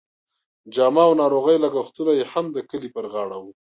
جامه او ناروغۍ لګښتونه یې هم د کلي پر غاړه وو.